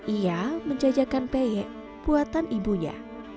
ia menjajakan peyek buatan ibunya